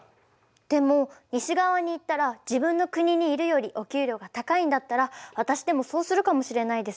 でも西側に行ったら自分の国にいるよりお給料が高いんだったら私でもそうするかもしれないです。